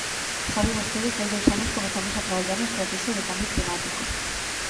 Sabe vostede que hai dous anos comezamos a traballar na Estratexia de cambio climático.